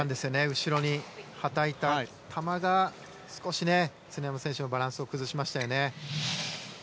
後ろにたたいた球が少し常山選手の球がバランスを崩しましたよね。